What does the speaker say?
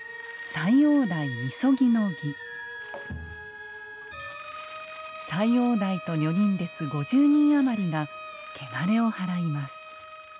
斎王代と女人列５０人余りがけがれをはらいます。